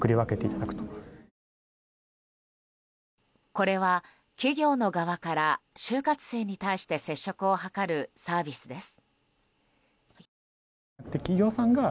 これは企業の側から就活生に対して接触を図るサービスです。